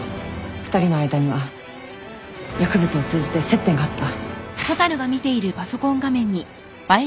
２人の間には薬物を通じて接点があった。